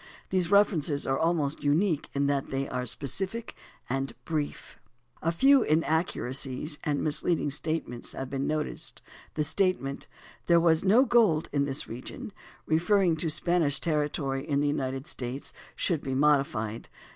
These references are almost unique in that they are specific and brief. A few inaccuracies and misleading statements have been noticed: The statement, "There was no gold in this region" (p. 23), referring to Spanish territory in the United States, should be modified.